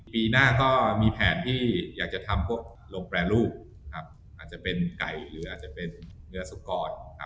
ปีหน้าก็มีแผนที่อยากจะทำพวกลงแปรรูปครับอาจจะเป็นไก่หรืออาจจะเป็นเนื้อสุกร